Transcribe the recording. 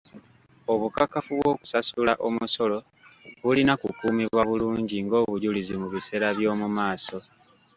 Obukakafu bw'okusasula omusolo bulina kukuumibwa bulungi ng'obujulizi mu biseera by'omumaaso.